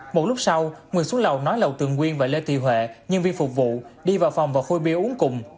một lúc sau người xuống lầu nói lầu tường quyên và lê thị huệ nhân viên phục vụ đi vào phòng và khôi bia uống cùng